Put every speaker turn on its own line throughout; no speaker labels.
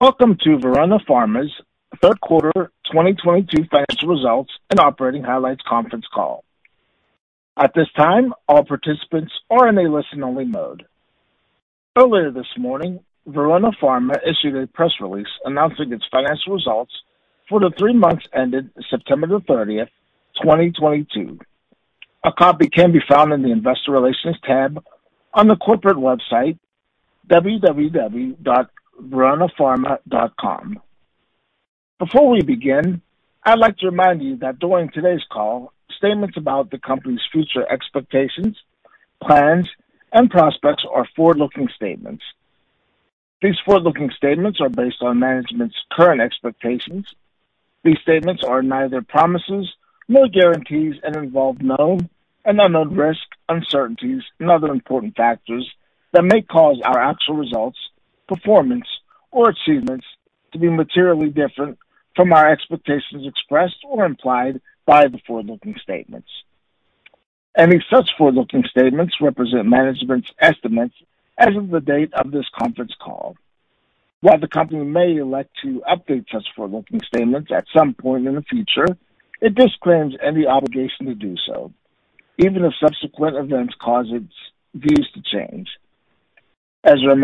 Welcome to Verona Pharma's Third Quarter 2022 Financial Results and Operating Highlights Conference call. At this time, all participants are in a listen-only mode. Earlier this morning, Verona Pharma issued a press release announcing its financial results for the three months ended September 30, 2022. A copy can be found in the investor relations tab on the corporate website www.veronapharma.com. Before we begin, I'd like to remind you that during today's call, statements about the company's future expectations, plans, and prospects are forward-looking statements. These forward-looking statements are based on management's current expectations. These statements are neither promises nor guarantees and involve known and unknown risks, uncertainties and other important factors that may cause our actual results, performance or achievements to be materially different from our expectations expressed or implied by the forward-looking statements. Any such forward-looking statements represent management's estimates as of the date of this conference call. While the company may elect to update such forward-looking statements at some point in the future, it disclaims any obligation to do so, even if subsequent events cause its views to change. As a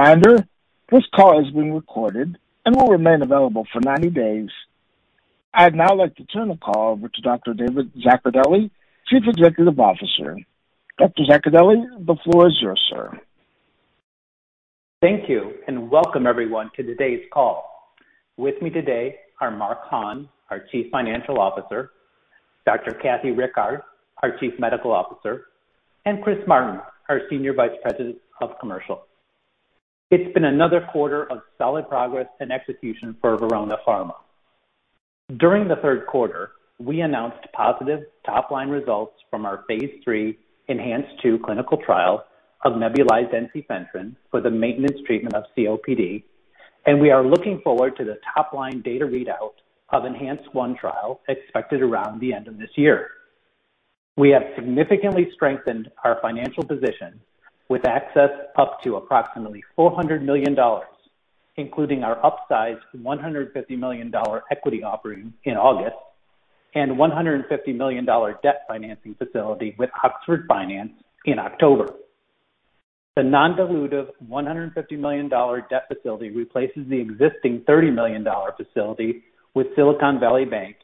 reminder, this call is being recorded and will remain available for 90 days. I'd now like to turn the call over to Dr. David Zaccardelli, Chief Executive Officer. Dr. Zaccardelli, the floor is yours, sir.
Thank you, and welcome everyone to today's call. With me today are Mark Hahn, our Chief Financial Officer, Dr. Kathy Rickard, our Chief Medical Officer, and Chris Martin, our Senior Vice President of Commercial. It's been another quarter of solid progress and execution for Verona Pharma. During the third quarter, we announced positive top-line results from our Phase III ENHANCE-II clinical trial of nebulized ensifentrine for the maintenance treatment of COPD. We are looking forward to the top-line data readout of ENHANCE-I trial expected around the end of this year. We have significantly strengthened our financial position with access up to approximately $400 million, including our upsized $150 million equity offering in August and $150 million debt financing facility with Oxford Finance in October. The non-dilutive $150 million debt facility replaces the existing $30 million facility with Silicon Valley Bank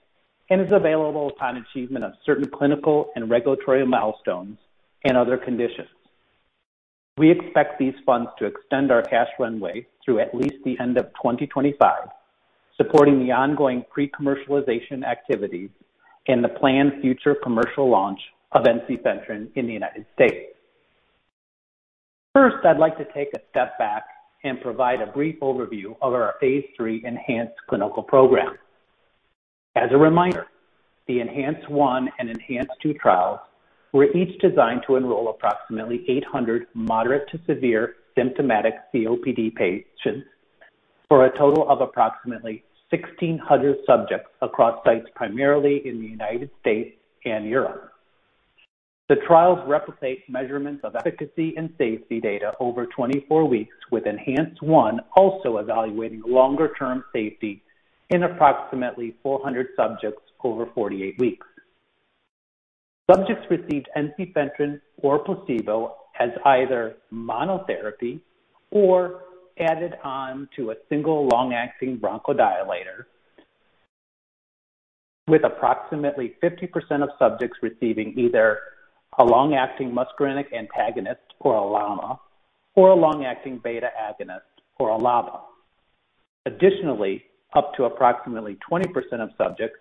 and is available upon achievement of certain clinical and regulatory milestones and other conditions. We expect these funds to extend our cash runway through at least the end of 2025, supporting the ongoing pre-commercialization activities and the planned future commercial launch of ensifentrine in the United States. First, I'd like to take a step back and provide a brief overview of our Phase III ENHANCE clinical program. As a reminder, the ENHANCE-I and ENHANCE-II trials were each designed to enroll approximately 800 moderate to severe symptomatic COPD patients for a total of approximately 1,600 subjects across sites primarily in the United States and Europe. The trials replicate measurements of efficacy and safety data over 24-weeks, with ENHANCE-I also evaluating longer-term safety in approximately 400 subjects over 48-weeks. Subjects received ensifentrine or placebo as either monotherapy or added on to a single long-acting bronchodilator, with approximately 50% of subjects receiving either a long-acting muscarinic antagonist or a LAMA or a long-acting beta agonist or a LABA. Additionally, up to approximately 20% of subjects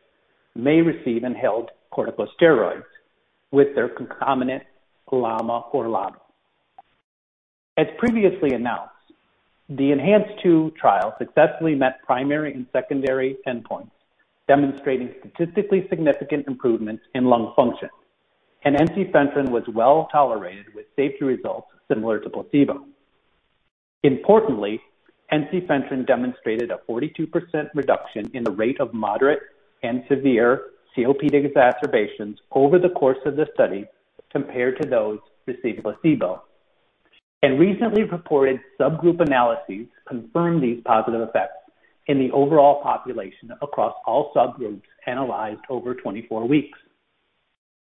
may receive inhaled corticosteroids with their concomitant LAMA or LABA. As previously announced, the ENHANCE-II trial successfully met primary and secondary endpoints, demonstrating statistically significant improvements in lung function. Ensifentrine was well tolerated with safety results similar to placebo. Importantly, ensifentrine demonstrated a 42% reduction in the rate of moderate and severe COPD exacerbations over the course of the study compared to those receiving placebo. Recently reported subgroup analyses confirmed these positive effects in the overall population across all subgroups analyzed over 24-weeks.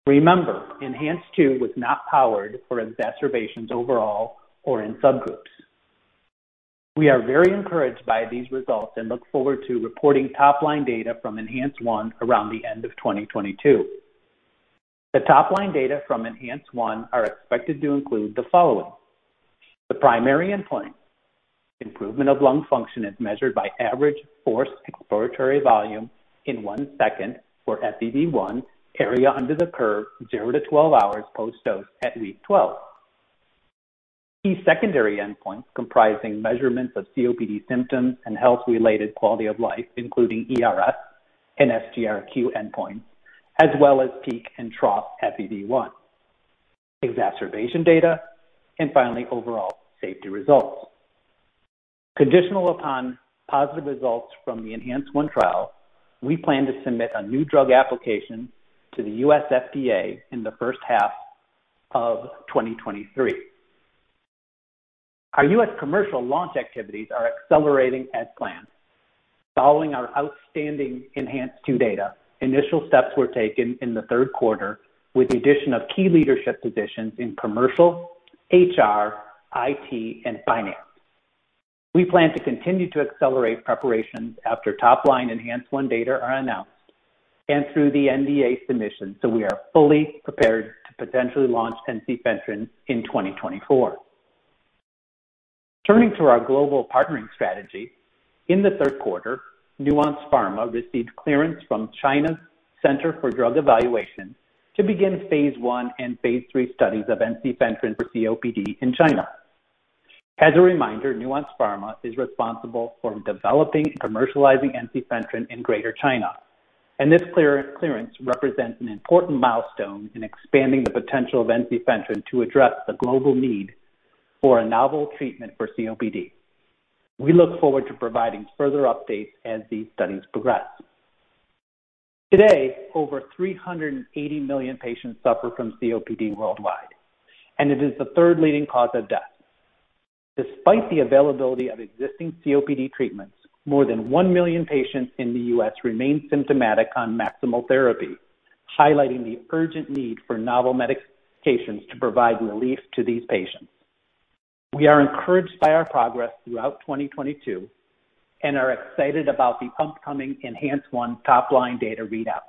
Remember, ENHANCE-II was not powered for exacerbations overall or in subgroups. We are very encouraged by these results and look forward to reporting top-line data from ENHANCE-I around the end of 2022. The top-line data from ENHANCE-I are expected to include the following. The primary endpoint, improvement of lung function as measured by average Forced Expiratory Volume in one second (FEV1) area under the curve zero to 12 hours post dose at week 12. Key secondary endpoints comprising measurements of COPD symptoms and health-related quality of life, including E-RS and SGRQ endpoints, as well as peak and trough FEV1. Exacerbation data and finally overall safety results. Conditional upon positive results from the ENHANCE-I trial, we plan to submit a new drug application to the U.S. FDA in the first half of 2023. Our U.S. commercial launch activities are accelerating as planned. Following our outstanding ENHANCE-II data, initial steps were taken in the third quarter with the addition of key leadership positions in commercial, HR, IT, and finance. We plan to continue to accelerate preparations after top line ENHANCE-I data are announced and through the NDA submission, so we are fully prepared to potentially launch ensifentrine in 2024. Turning to our global partnering strategy. In the third quarter, Nuance Pharma received clearance from China's Center for Drug Evaluation to begin Phase I and Phase III studies of ensifentrine for COPD in China. As a reminder, Nuance Pharma is responsible for developing and commercializing ensifentrine in Greater China. This clearance represents an important milestone in expanding the potential of ensifentrine to address the global need for a novel treatment for COPD. We look forward to providing further updates as these studies progress. Today, over 380 million patients suffer from COPD worldwide, and it is the third leading cause of death. Despite the availability of existing COPD treatments, more than 1 million patients in the U.S. remain symptomatic on maximal therapy, highlighting the urgent need for novel medications to provide relief to these patients. We are encouraged by our progress throughout 2022 and are excited about the upcoming ENHANCE-I top line data readout.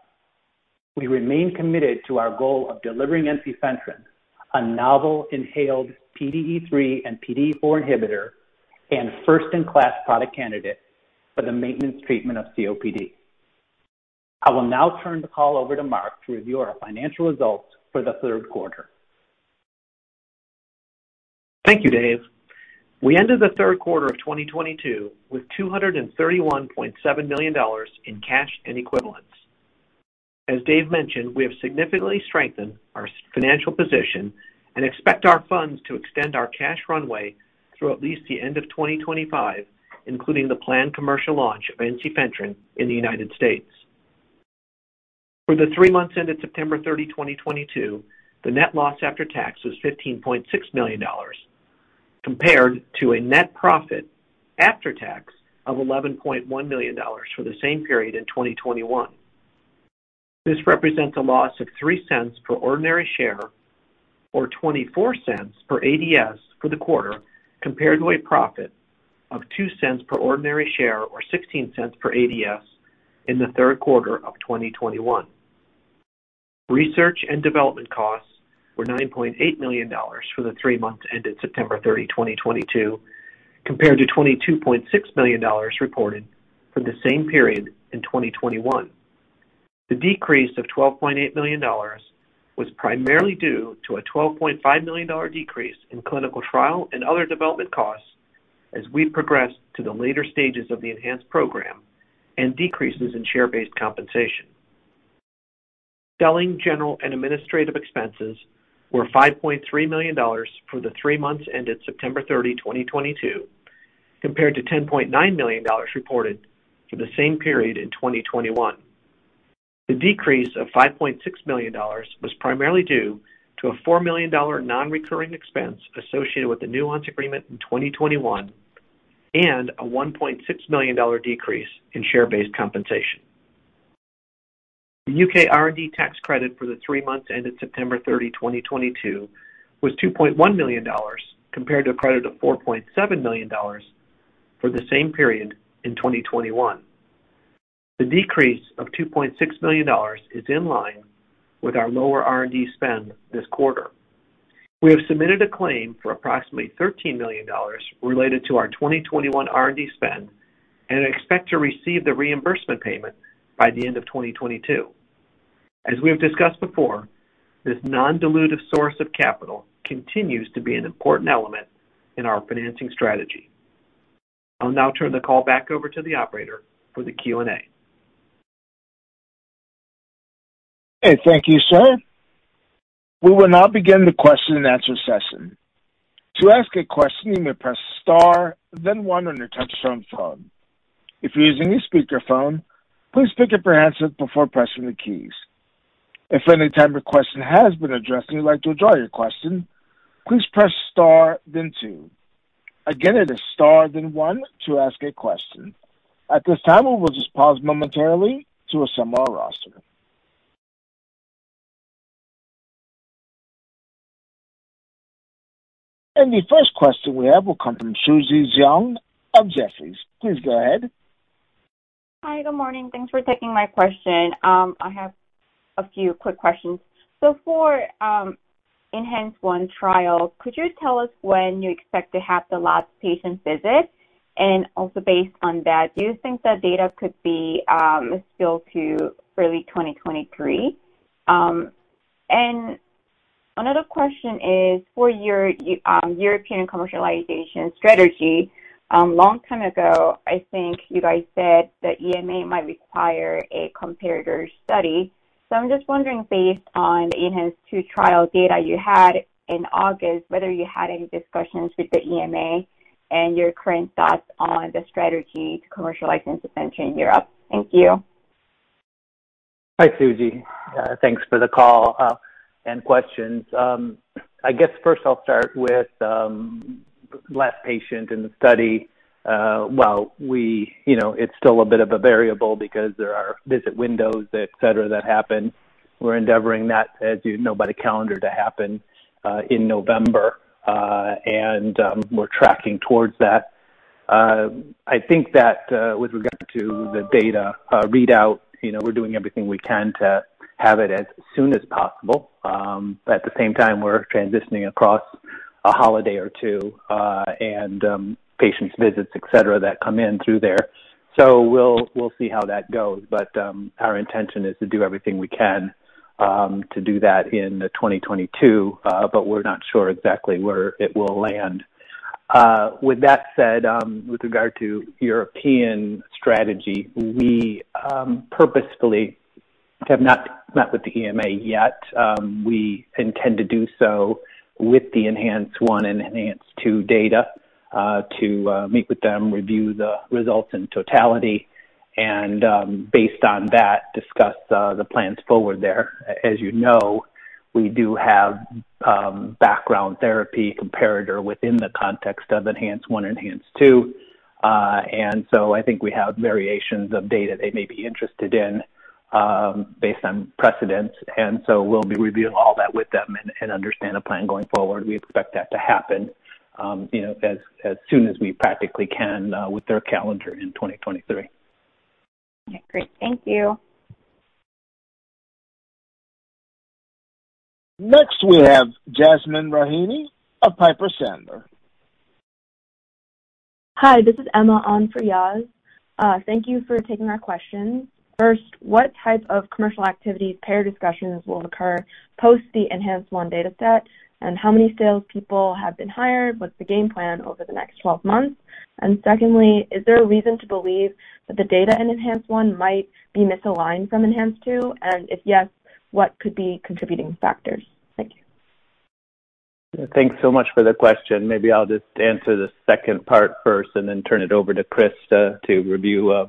We remain committed to our goal of delivering ensifentrine, a novel inhaled PDE3 and PDE4 inhibitor and first-in-class product candidate for the maintenance treatment of COPD. I will now turn the call over to Mark to review our financial results for the third quarter.
Thank you, Dave. We ended the third quarter of 2022 with $231.7 million in cash and equivalents. As Dave mentioned, we have significantly strengthened our financial position and expect our funds to extend our cash runway through at least the end of 2025, including the planned commercial launch of ensifentrine in the United States. For the three months ended September 30, 2022, the net loss after tax was $15.6 million, compared to a net profit after tax of $11.1 million for the same period in 2021. This represents a loss of $0.03 per ordinary share or $0.24 per ADS for the quarter, compared to a profit of $0.02 per ordinary share or $0.16 per ADS in the third quarter of 2021. Research and development costs were $9.8 million for the three months ended September 30, 2022, compared to $22.6 million reported for the same period in 2021. The decrease of $12.8 million was primarily due to a $12.5 million decrease in clinical trial and other development costs as we progressed to the later stages of the ENHANCE program and decreases in share-based compensation. Selling, general, and administrative expenses were $5.3 million for the three months ended September 30, 2022, compared to $10.9 million reported for the same period in 2021. The decrease of $5.6 million was primarily due to a $4 million non-recurring expense associated with the Nuance agreement in 2021 and a $1.6 million decrease in share-based compensation. The U.K. R&D tax credit for the three months ended September 30, 2022 was $2.1 million, compared to a credit of $4.7 million for the same period in 2021. The decrease of $2.6 million is in line with our lower R&D spend this quarter. We have submitted a claim for approximately $13 million related to our 2021 R&D spend and expect to receive the reimbursement payment by the end of 2022. As we have discussed before, this non-dilutive source of capital continues to be an important element in our financing strategy. I'll now turn the call back over to the operator for the Q&A.
Okay. Thank you, sir. We will now begin the question and answer session. To ask a question, you may press star then one on your touch-tone phone. If you're using a speakerphone, please pick up your handset before pressing the keys. If at any time your question has been addressed, and you'd like to withdraw your question, please press star then two. Again, it is star then one to ask a question. At this time, we will just pause momentarily to assemble our roster. The first question we have will come from Suji Jeong of Jefferies. Please go ahead.
Hi, good morning. Thanks for taking my question. I have a few quick questions. For ENHANCE-I trial, could you tell us when you expect to have the last patient visit? Also based on that, do you think that data could be still in early 2023? Another question is for your European commercialization strategy. Long time ago, I think you guys said that EMA might require a comparator study. I'm just wondering, based on the ENHANCE-II trial data you had in August, whether you had any discussions with the EMA and your current thoughts on the strategy to commercialize ensifentrine in Europe. Thank you.
Hi, Suji. Thanks for the call and questions. I guess first I'll start with last patient in the study. Well, you know, it's still a bit of a variable because there are visit windows, et cetera, that happen. We're endeavoring that, as you know, by the calendar to happen in November, and we're tracking towards that. I think that with regard to the data readout, you know, we're doing everything we can to have it as soon as possible. At the same time, we're transitioning across a holiday or two, and patients' visits, et cetera, that come in through there. We'll see how that goes. Our intention is to do everything we can to do that in 2022, but we're not sure exactly where it will land. With that said, with regard to European strategy, we purposefully have not met with the EMA yet. We intend to do so with the ENHANCE-I and ENHANCE-II data, to meet with them, review the results in totality, and based on that, discuss the plans forward there. As you know, we do have background therapy comparator within the context of ENHANCE-I and ENHANCE-II. I think we have variations of data they may be interested in, based on precedents, and so we'll be reviewing all that with them and understand the plan going forward. We expect that to happen, you know, as soon as we practically can with their calendar in 2023.
Okay, great. Thank you.
Next, we have Yasmeen Rahimi of Piper Sandler.
Hi, this is Emma on for Yas. Thank you for taking our questions. First, what type of commercial activities, payer discussions will occur post the ENHANCE-I dataset, and how many salespeople have been hired? What's the game plan over the next 12 months? Secondly, is there a reason to believe that the data in ENHANCE-I might be misaligned from ENHANCE-II? If yes, what could be contributing factors? Thank you.
Thanks so much for the question. Maybe I'll just answer the second part first and then turn it over to Chris to review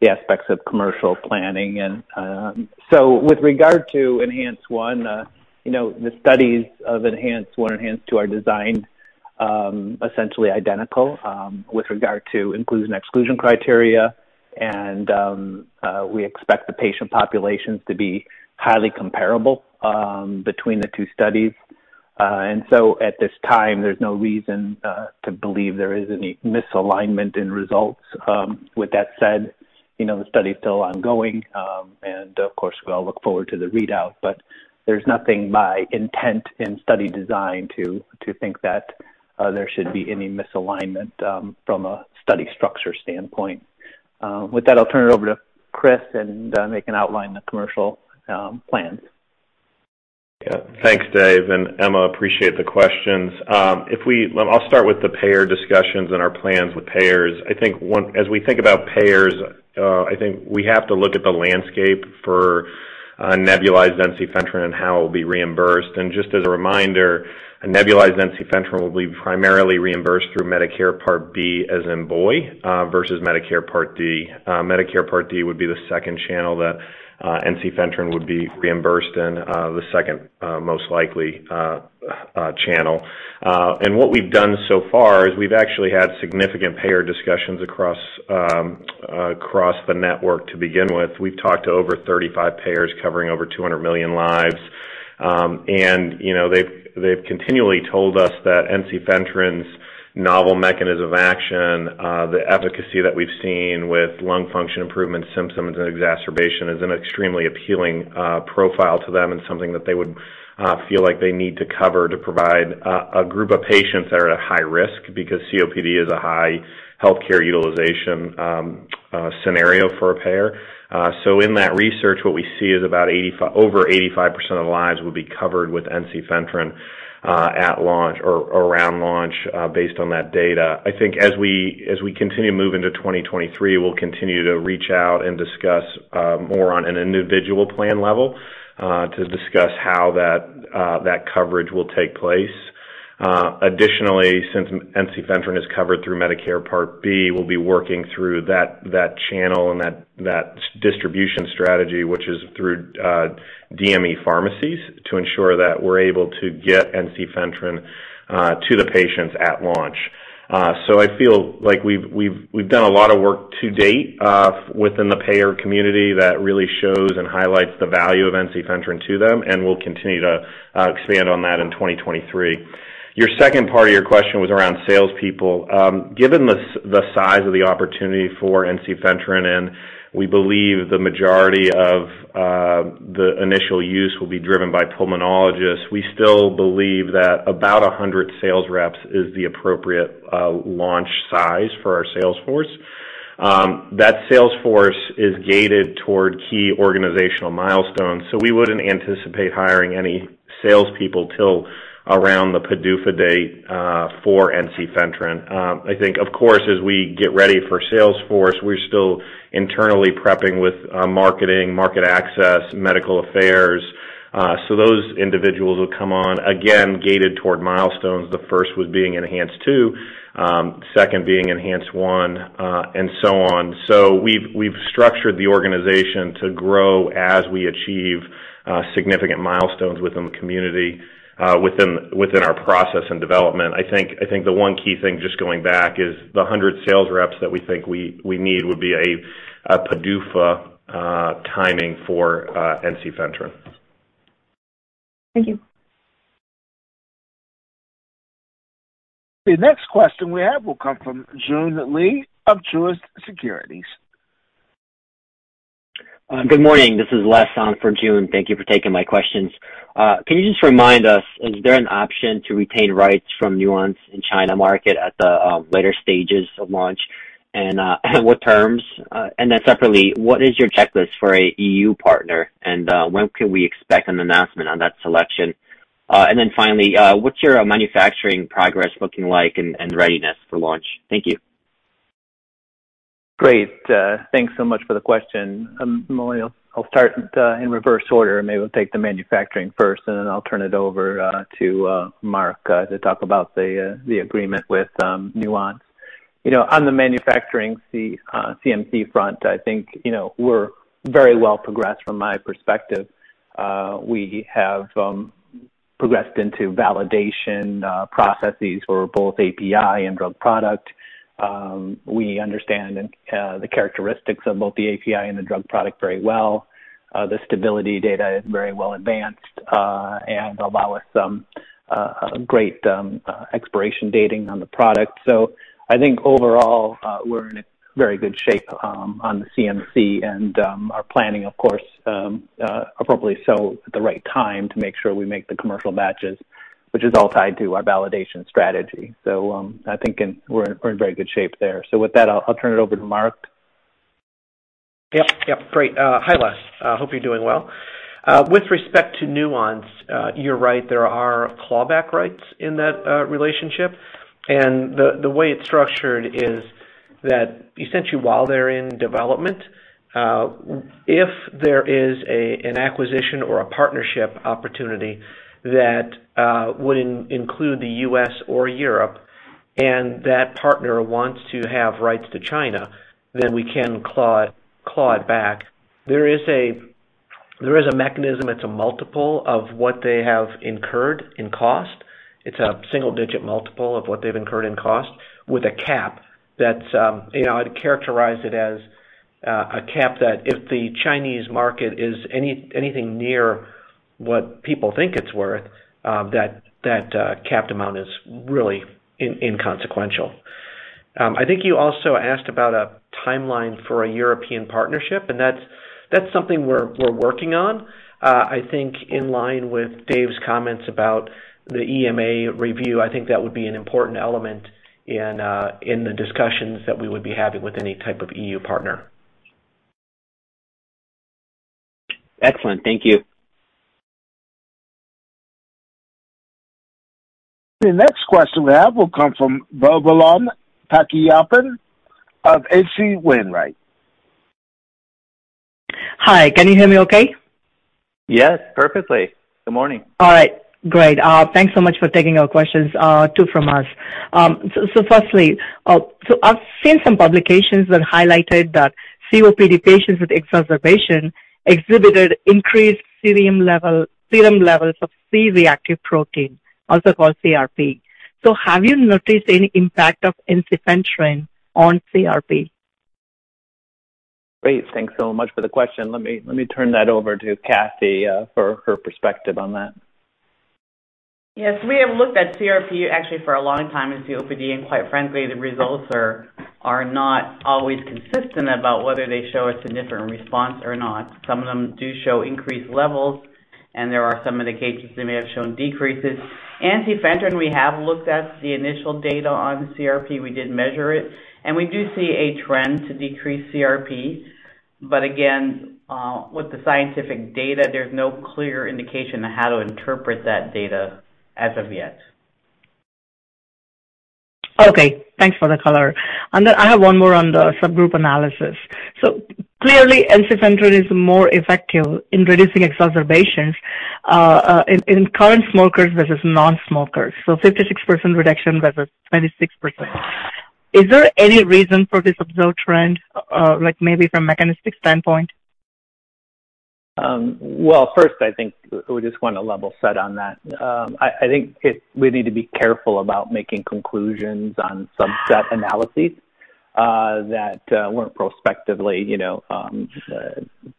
the aspects of commercial planning and. With regard to ENHANCE-I, you know, the studies of ENHANCE-I and ENHANCE-II are designed essentially identical with regard to inclusion/exclusion criteria and we expect the patient populations to be highly comparable between the two studies. At this time, there's no reason to believe there is any misalignment in results. With that said, you know, the study is still ongoing and of course, we all look forward to the readout, but there's nothing by intent in study design to think that there should be any misalignment from a study structure standpoint. With that, I'll turn it over to Chris and make an outline of the commercial plans.
Yeah. Thanks, David and Emma, appreciate the questions. I'll start with the payer discussions and our plans with payers. I think as we think about payers, I think we have to look at the landscape for nebulized ensifentrine and how it will be reimbursed. Just as a reminder, nebulized ensifentrine will be primarily reimbursed through Medicare Part-B versus Medicare Part-D. Medicare Part-D would be the second channel that ensifentrine would be reimbursed in, the second most likely channel. What we've done so far is we've actually had significant payer discussions across the network to begin with. We've talked to over 35 payers covering over 200 million lives. You know, they've continually told us that ensifentrine's novel mechanism of action, the efficacy that we've seen with lung function improvement, symptoms and exacerbation is an extremely appealing profile to them and something that they would feel like they need to cover to provide a group of patients that are at a high risk because COPD is a high healthcare utilization scenario for a payer. In that research, what we see is about over 85% of lives will be covered with ensifentrine at launch or around launch based on that data. I think as we continue to move into 2023, we'll continue to reach out and discuss more on an individual plan level to discuss how that coverage will take place. Additionally, since ensifentrine is covered through Medicare Part-B, we'll be working through that channel and that distribution strategy, which is through DME pharmacies, to ensure that we're able to get ensifentrine to the patients at launch. I feel like we've done a lot of work to date within the payer community that really shows and highlights the value of ensifentrine to them, and we'll continue to expand on that in 2023. Your second part of your question was around salespeople. Given the size of the opportunity for ensifentrine, and we believe the majority of the initial use will be driven by pulmonologists, we still believe that about 100 sales reps is the appropriate launch size for our sales force. That sales force is gated toward key organizational milestones, so we wouldn't anticipate hiring any salespeople till around the PDUFA date for ensifentrine. I think, of course, as we get ready for sales force, we're still internally prepping with marketing, market access, medical affairs. Those individuals will come on again, gated toward milestones. The first was being ENHANCE-II, second being ENHANCE-I, and so on. We've structured the organization to grow as we achieve significant milestones within the company, within our process and development. I think the one key thing, just going back, is the 100 sales reps that we think we need would be a PDUFA timing for ensifentrine.
Thank you.
The next question we have will come from Joon Lee of Truist Securities.
Good morning. This is Les on for Joon. Thank you for taking my questions. Can you just remind us, is there an option to retain rights from Nuance in China market at the, later stages of launch? And, what terms? And then separately, what is your checklist for a E.U. partner, and, when can we expect an announcement on that selection? And then finally, what's your manufacturing progress looking like and readiness for launch? Thank you.
Great. Thanks so much for the question. Well, I'll start in reverse order. Maybe we'll take the manufacturing first, and then I'll turn it over to Mark to talk about the agreement with Nuance. You know, on the manufacturing CMC front, I think, you know, we're very well progressed from my perspective. We have progressed into validation processes for both API and drug product. We understand the characteristics of both the API and the drug product very well. The stability data is very well advanced, and allow us some a great expiration dating on the product. I think overall, we're in a very good shape on the CMC and are planning, of course, appropriately so at the right time to make sure we make the commercial batches, which is all tied to our validation strategy. I think we're in very good shape there. With that, I'll turn it over to Mark.
Yep. Great. Hi, Les. Hope you're doing well. With respect to Nuance, you're right, there are clawback rights in that relationship. The way it's structured is that essentially, while they're in development, if there is an acquisition or a partnership opportunity that would include the U.S. or Europe, and that partner wants to have rights to China, then we can claw it back. There is a mechanism. It's a multiple of what they have incurred in cost. It's a single digit multiple of what they've incurred in cost with a cap that's, you know, I'd characterize it as a cap that if the Chinese market is anything near what people think it's worth, that capped amount is really inconsequential. I think you also asked about a timeline for a European partnership, and that's something we're working on. I think in line with Dave's comments about the EMA review, I think that would be an important element in the discussions that we would be having with any type of E.U. partner.
Excellent. Thank you.
The next question we have will come from Boobalan Pachaiyappan of H.C. Wainwright.
Hi. Can you hear me okay?
Yes, perfectly. Good morning.
All right, great. Thanks so much for taking our questions, two from us. I've seen some publications that highlighted that COPD patients with exacerbation exhibited increased serum levels of C-reactive protein, also called CRP. Have you noticed any impact of ensifentrine on CRP?
Great. Thanks so much for the question. Let me turn that over to Kathy for her perspective on that.
Yes, we have looked at CRP actually for a long time in COPD, and quite frankly, the results are not always consistent about whether they show a significant response or not. Some of them do show increased levels, and there are some of the cases that may have shown decreases. Ensifentrine, we have looked at the initial data on CRP. We did measure it, and we do see a trend to decrease CRP. But again, with the scientific data, there's no clear indication of how to interpret that data as of yet.
Okay. Thanks for the color. Then I have one more on the subgroup analysis. Clearly ensifentrine is more effective in reducing exacerbations in current smokers versus non-smokers. 56% reduction versus 26%. Is there any reason for this observed trend, like maybe from mechanistic standpoint?
Well, first, I think we just want to level set on that. I think we need to be careful about making conclusions on subset analyses that weren't prospectively, you know,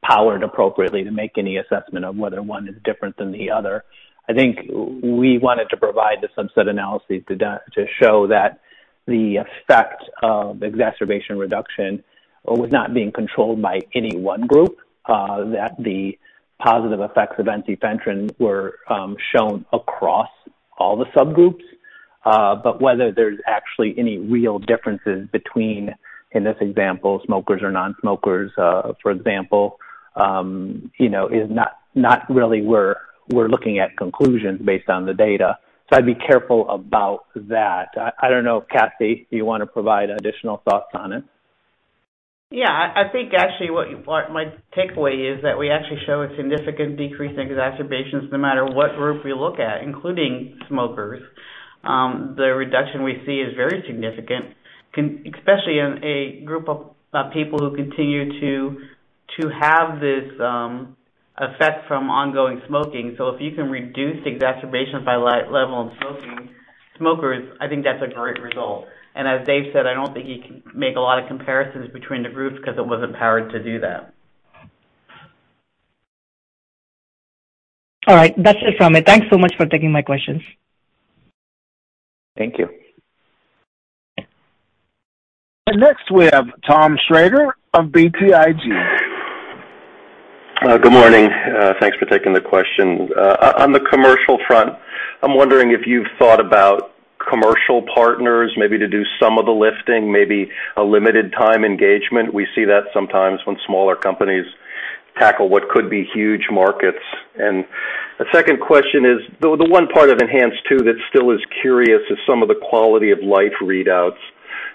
powered appropriately to make any assessment of whether one is different than the other. I think we wanted to provide the subset analyses to show that the effect of exacerbation reduction was not being controlled by any one group, that the positive effects of ensifentrine were shown across all the subgroups. But whether there's actually any real differences between, in this example, smokers or non-smokers, for example, you know, is not really what we're looking at conclusions based on the data. I'd be careful about that. I don't know if Kathy, you wanna provide additional thoughts on it?
Yeah, I think actually what my takeaway is that we actually show a significant decrease in exacerbations no matter what group we look at, including smokers. The reduction we see is very significant, especially in a group of people who continue to have this effect from ongoing smoking. So if you can reduce exacerbations by level of smoking smokers, I think that's a great result. As David said, I don't think you can make a lot of comparisons between the groups because it wasn't powered to do that.
All right. That's it from me. Thanks so much for taking my questions.
Thank you.
Next, we have Tom Shrader of BTIG.
Good morning. Thanks for taking the question. On the commercial front, I'm wondering if you've thought about commercial partners maybe to do some of the lifting, maybe a limited time engagement. We see that sometimes when smaller companies tackle what could be huge markets. A second question is, the one part of ENHANCE-II that still is curious is some of the quality of life readouts.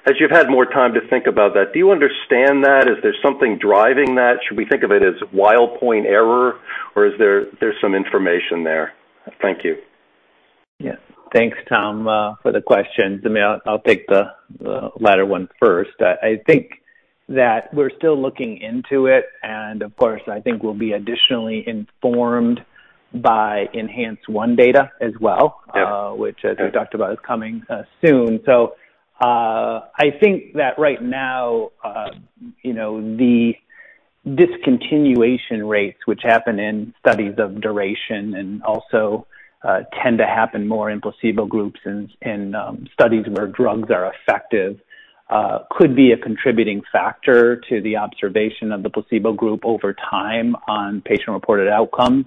As you've had more time to think about that, do you understand that? Is there something driving that? Should we think of it as white noise error, or is there some information there? Thank you.
Yeah. Thanks, Tom, for the question. I'll take the latter one first. I think that we're still looking into it, and of course, I think we'll be additionally informed by ENHANCE-I data as well.
Yeah.
which as we've talked about is coming soon. I think that right now, you know, the discontinuation rates which happen in studies of duration and also tend to happen more in placebo groups and studies where drugs are effective could be a contributing factor to the observation of the placebo group over time on patient reported outcomes.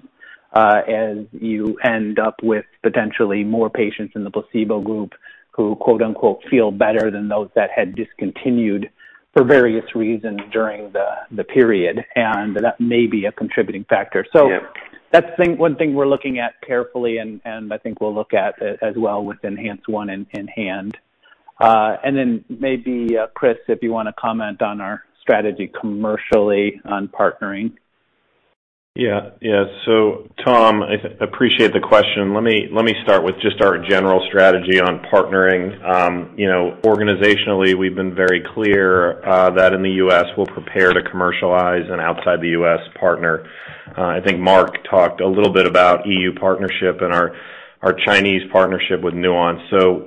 As you end up with potentially more patients in the placebo group who, quote-unquote, "feel better than those that had discontinued for various reasons during the period." That may be a contributing factor.
Yeah.
That's one thing we're looking at carefully and I think we'll look at as well with ENHANCE-I in hand. Maybe Chris, if you wanna comment on our strategy commercially on partnering.
Tom, I appreciate the question. Let me start with just our general strategy on partnering. You know, organizationally, we've been very clear that in the U.S. we'll prepare to commercialize and outside the U.S. partner. I think Mark talked a little bit about E.U. partnership and our Chinese partnership with Nuance.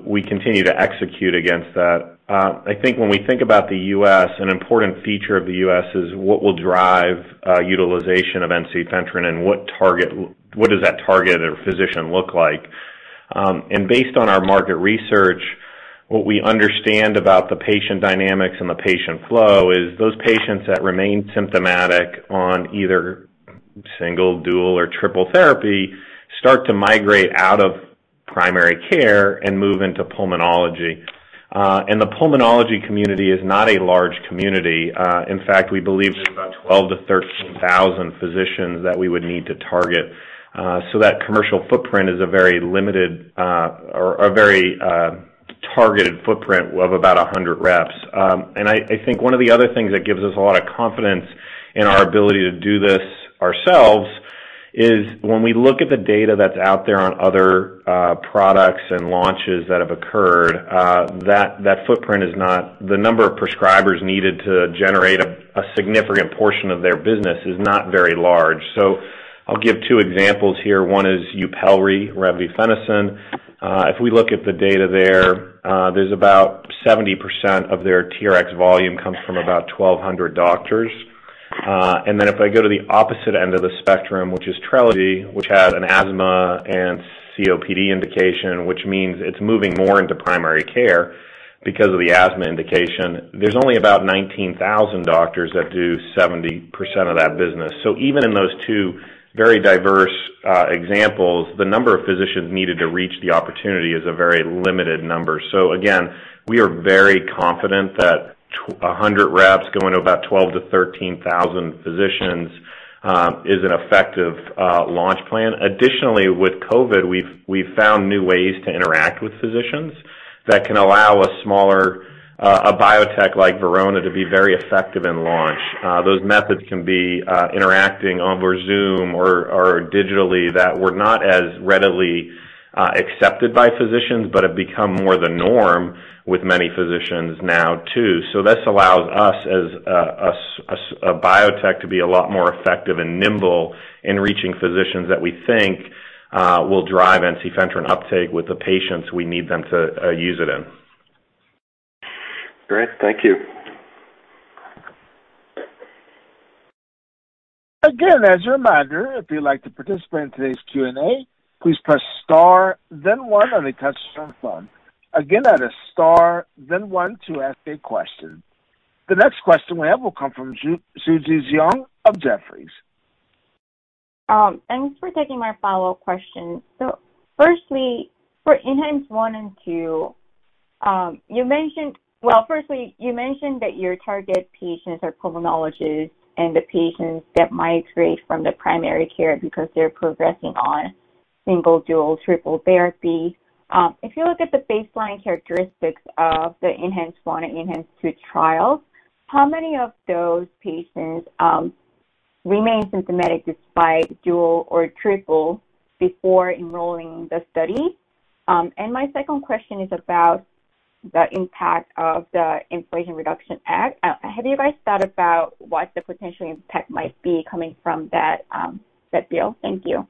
We continue to execute against that. I think when we think about the U.S., an important feature of the U.S. is what will drive utilization of ensifentrine and what does that target or physician look like. Based on our market research, what we understand about the patient dynamics and the patient flow is those patients that remain symptomatic on either single, dual or triple therapy start to migrate out of primary care and move into pulmonology. The pulmonology community is not a large community. In fact, we believe there's about 12,000-13,000 physicians that we would need to target. That commercial footprint is a very limited or very targeted footprint of about 100 reps. I think one of the other things that gives us a lot of confidence in our ability to do this ourselves is when we look at the data that's out there on other products and launches that have occurred. That footprint is not. The number of prescribers needed to generate a significant portion of their business is not very large. I'll give two examples here. One is Yupelri, revefenacin. If we look at the data there's about 70% of their TRX volume comes from about 1,200 doctors. If I go to the opposite end of the spectrum, which is Trelegy, which has an asthma and COPD indication, which means it's moving more into primary care because of the asthma indication. There's only about 19,000 doctors that do 70% of that business. Even in those two very diverse examples, the number of physicians needed to reach the opportunity is a very limited number. Again, we are very confident that 100 reps going to about 12-13 thousand physicians is an effective launch plan. Additionally, with COVID, we've found new ways to interact with physicians that can allow a smaller biotech like Verona to be very effective in launch. Those methods can be interacting over Zoom or digitally that were not as readily accepted by physicians, but have become more the norm with many physicians now too. This allows us as a biotech to be a lot more effective and nimble in reaching physicians that we think will drive ensifentrine uptake with the patients we need them to use it in.
Great. Thank you.
Again, as a reminder, if you'd like to participate in today's Q&A, please press star then one on a touchtone phone. Again, that is star then one to ask a question. The next question we have will come from Suji Jeong of Jefferies.
Thanks for taking my follow-up question. Firstly, for ENHANCE-I and ENHANCE-II, you mentioned that your target patients are pulmonologists and the patients that migrate from primary care because they're progressing on single, dual, triple therapy. If you look at the baseline characteristics of the ENHANCE-I and ENHANCE-II trials, how many of those patients remain symptomatic despite dual or triple before enrolling the study? My second question is about the impact of the Inflation Reduction Act. Have you guys thought about what the potential impact might be coming from that bill? Thank you.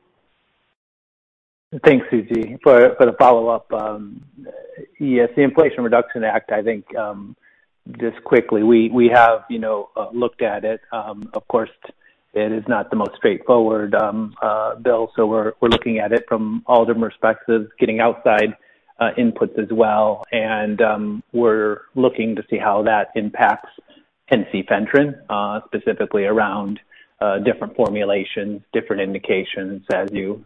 Thanks, Susie, for the follow-up. Yes, the Inflation Reduction Act, I think, just quickly, we have, you know, looked at it. Of course it is not the most straightforward bill, so we're looking at it from all different perspectives, getting outside inputs as well. We're looking to see how that impacts ensifentrine, specifically around different formulations, different indications, as you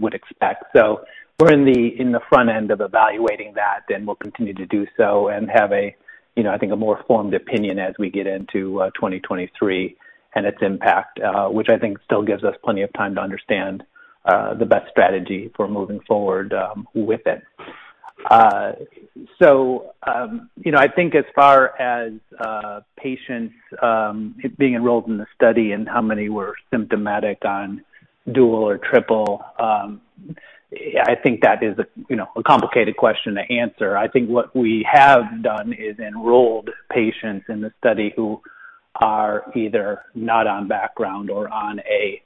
would expect. We're in the front end of evaluating that, and we'll continue to do so and have a, you know, I think a more informed opinion as we get into 2023 and its impact, which I think still gives us plenty of time to understand the best strategy for moving forward with it. You know, I think as far as patients being enrolled in the study and how many were symptomatic on dual or triple, I think that is you know a complicated question to answer. I think what we have done is enrolled patients in the study who are either not on background or on a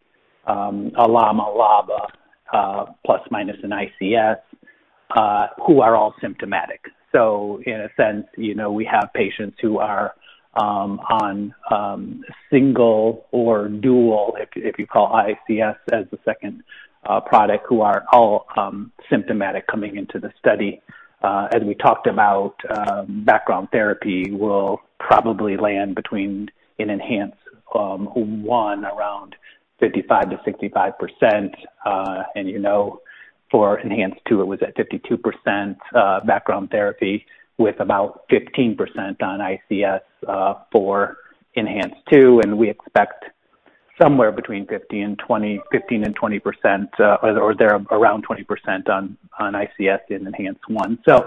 LAMA, LABA plus minus an ICS who are all symptomatic. In a sense, you know, we have patients who are on single or dual, if you call ICS as the second product, who are all symptomatic coming into the study. As we talked about, background therapy will probably land between in ENHANCE-I around 55%-65%. You know, for ENHANCE-II it was at 52% background therapy with about 15% on ICS for ENHANCE-II. We expect somewhere between 15%-20% or there around 20% on ICS in ENHANCE-I.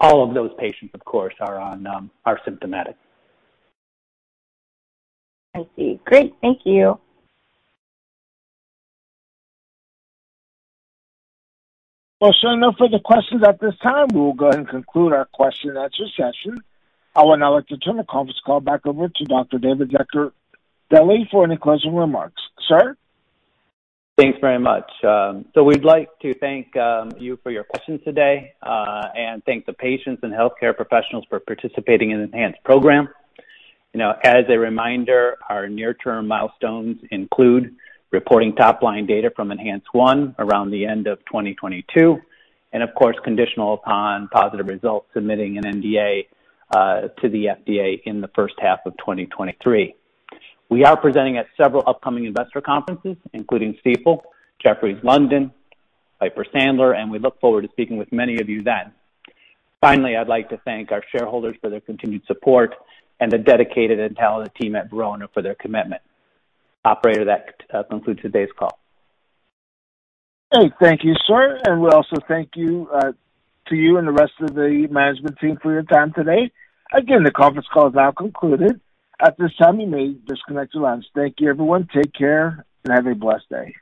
All of those patients, of course, are symptomatic.
I see. Great. Thank you.
Well, sir, no further questions at this time. We will go ahead and conclude our question and answer session. I would now like to turn the conference call back over to Dr. David Zaccardelli for any closing remarks. Sir?
Thanks very much. So we'd like to thank you for your questions today, and thank the patients and healthcare professionals for participating in the ENHANCE program. You know, as a reminder, our near-term milestones include reporting top-line data from ENHANCE-I around the end of 2022, and of course, conditional upon positive results, submitting an NDA to the FDA in the first half of 2023. We are presenting at several upcoming Investor Conferences, including Stifel, Jefferies London, Piper Sandler, and we look forward to speaking with many of you then. Finally, I'd like to thank our shareholders for their continued support and the dedicated and talented team at Verona for their commitment. Operator, that concludes today's call.
Great. Thank you, sir, and we also thank you to you and the rest of the management team for your time today. Again, the conference call is now concluded. At this time, you may disconnect your lines. Thank you everyone. Take care and have a blessed day.